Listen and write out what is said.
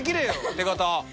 手形。